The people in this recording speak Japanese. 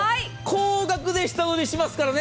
高額で下取りしますからね。